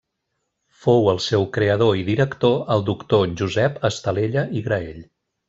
Fou el seu creador i director el doctor Josep Estalella i Graell.